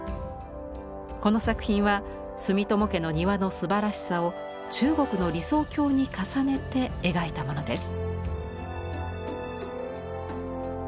この作品は住友家の庭のすばらしさを中国の理想郷に重ねて描いたものです。